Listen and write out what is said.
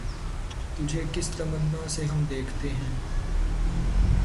تجھے کس تمنا سے ہم دیکھتے ہیں